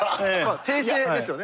訂正ですよね。